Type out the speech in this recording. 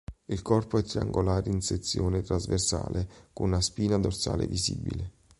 Il corpo è triangolare in sezione trasversale con una spina dorsale visibile.